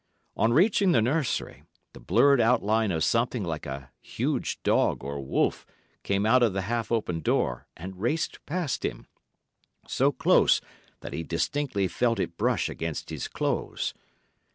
On reaching the nursery, the blurred outline of something like a huge dog or wolf came out of the half open door, and raced past him, so close that he distinctly felt it brush against his clothes.